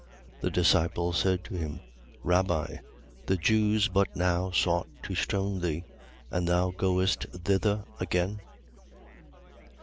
11:8. The disciples say to him: Rabbi, the Jews but now sought to stone thee. And goest thou thither again?